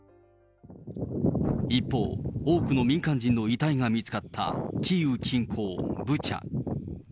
一方、多くの民間人の遺体が見つかったキーウ近郊、ブチャ。